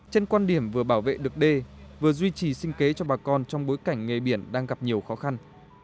trên quan điểm vừa bảo vệ được đê vừa duy trì sinh kế cho bà con trong bối cảnh nghề biển đang gặp nhiều khó khăn